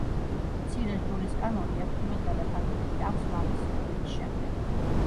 მცირე სჯულისკანონი ექვთიმეს გადათარგმნილი აქვს მამის სიკვდილის შემდეგ.